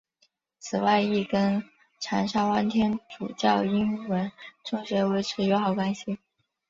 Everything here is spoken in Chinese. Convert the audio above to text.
此外亦跟长沙湾天主教英文中学维持友好关系。